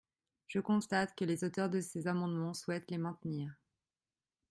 Je constate que les auteurs de ces amendements souhaitent les maintenir.